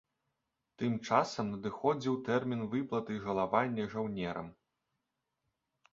Тым часам надыходзіў тэрмін выплаты жалавання жаўнерам.